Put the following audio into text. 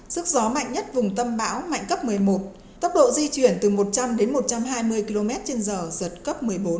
sức gió mạnh nhất vùng tâm bão mạnh cấp một mươi một tốc độ di chuyển từ một trăm linh đến một trăm hai mươi km trên giờ giật cấp một mươi bốn